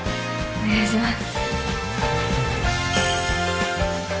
お願いします